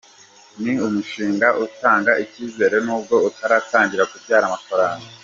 Ni umushinga utanga icyizere nubwo utaratangira kubyara amafaranga.